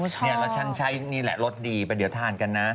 แล้วฉันใช้นี่แหละรสดีแต่เดี๋ยวทานกันนะ